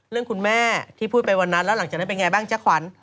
คุณแม่ที่พูดไปวันนั้นแล้วหลังจากนั้นเป็นไงบ้างจ้าขวัญ